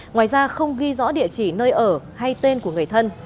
ngoài ra không ghi rõ địa chỉ nơi ở hay tên của người thân